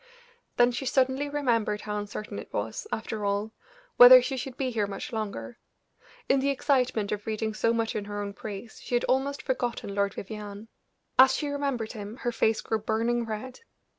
Then she suddenly remembered how uncertain it was, after all, whether she should be here much longer; in the excitement of reading so much in her own praise, she had almost forgotten Lord Vivianne. As she remembered him her face grew burning red.